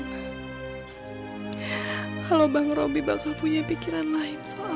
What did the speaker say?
kalau bang robby bakal punya pikiran lain soal rumah